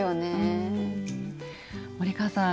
森川さん